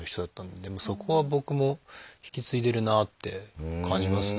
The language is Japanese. そこは僕も引き継いでるなって感じますね。